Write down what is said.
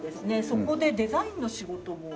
そこでデザインの仕事を。